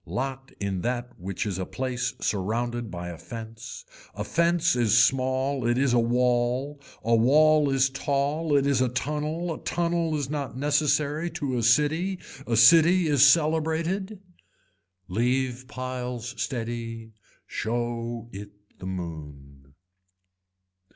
Lot in that which is a place surrounded by a fence. A fence is small it is a wall, a wall is tall it is a tunnel, a tunnel is not necessary to a city. A city is celebrated. Leave piles steady, show it the moon.